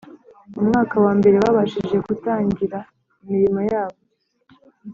umwaka wa mbere babashije kutangira imirimo yabo